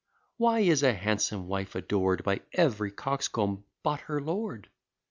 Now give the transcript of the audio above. Why is a handsome wife ador'd By every coxcomb but her lord?